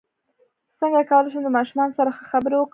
څنګه کولی شم د ماشومانو سره ښه خبرې وکړم